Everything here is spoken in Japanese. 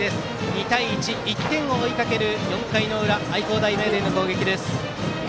２対１、１点を追いかける４回の裏、愛工大名電の攻撃です。